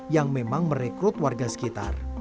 yang memang merekrut warga sekitar